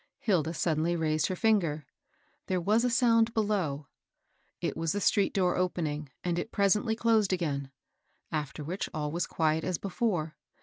Hilda suddenly raised her finger. There was a sound below. It was the street door opening, and it presently closed again ; after which all was quiet as before.